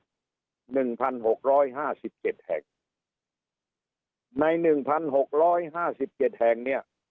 หนึ่งพันหกร้อยห้าสิบเจ็ดแห่งในหนึ่งพันหกร้อยห้าสิบเจ็ดแห่งเนี้ย